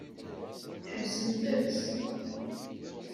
Ḥebsemt-t.